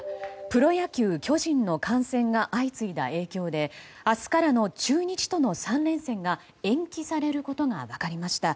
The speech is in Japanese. プロ野球、巨人の感染が相次いだ影響で明日からの中日との３連戦が延期されることが分かりました。